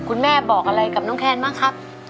บอกอะไรกับน้องแคนบ้างครับ